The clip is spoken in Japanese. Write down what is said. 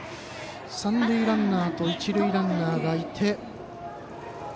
三塁ランナーと一塁ランナーがいて。